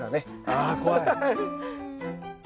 ああ怖い。